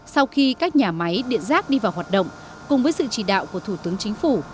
sau khi các nhà máy điện rác đi vào hoạt động cùng với sự chỉ đạo của thủ tướng chính phủ